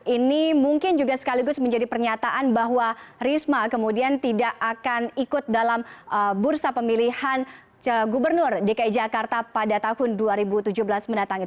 ini mungkin juga sekaligus menjadi pernyataan bahwa risma kemudian tidak akan ikut dalam bursa pemilihan gubernur dki jakarta pada tahun dua ribu tujuh belas mendatang